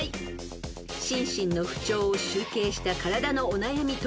［心身の不調を集計した体のお悩み